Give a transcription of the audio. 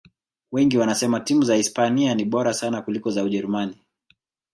wengi wanasema timu za hispania ni bora sana kuliko za ujerumani